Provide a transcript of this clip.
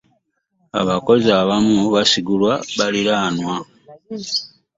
abakozi abamu basigulwa balinaanwa.